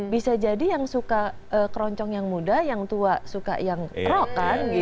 bisa jadi yang suka keroncong yang muda yang tua suka yang rok kan gitu